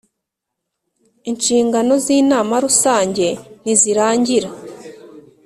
Inshingano zinama rusange ntizirangira